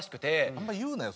あんまり言うなよ